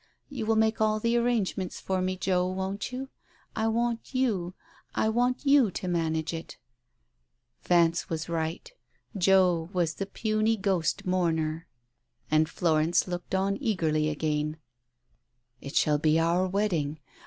... "You will make all the arrangements for me, Joe, won't you ? I want you — I want you to manage it !..." Vance was right. Joe was the puny ghost mourner. ... And Florence looked on eagerly again. " It shall be our wedding